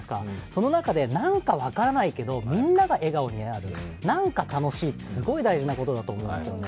その中で何か分からないけどみんなが笑顔になれるなんか楽しいってすごい大事なことだと思うんですよね。